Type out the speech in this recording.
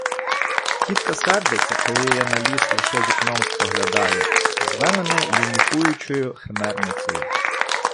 Тітка сердиться, коли я на ліс лише вікном споглядаю; зве мене "лінюхуючою химерницею".